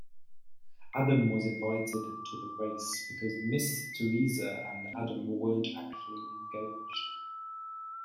Adam was invited to the race because Miss Theresa and Adam weren't actually engaged.